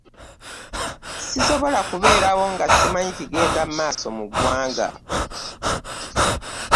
Sisobola kubeerawo nga simanyi kigenda maaso mu ggwanga.